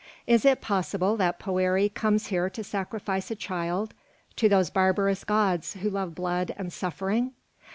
"Is it possible that Poëri comes here to sacrifice a child to those barbarous gods who love blood and suffering?